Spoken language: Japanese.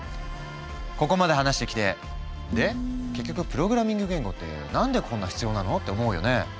ここまで話してきてで結局プログラミング言語って何でこんな必要なの？って思うよね。